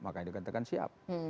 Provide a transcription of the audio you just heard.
makanya dikatakan siap